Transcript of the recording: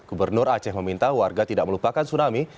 gubernur aceh meminta warga tidak melupakan tsunami